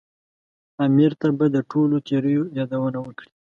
امیر ته به د ټولو تېریو یادونه وکړي.